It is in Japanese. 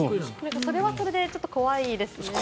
それはそれでちょっと怖いですね。